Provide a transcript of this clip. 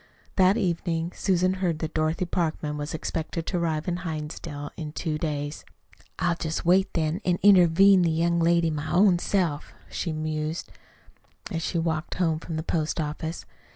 That evening Susan heard that Dorothy Parkman was expected to arrive in Hinsdale in two days. "I'll jest wait, then, an' intervene the young lady my own self," she mused, as she walked home from the post office.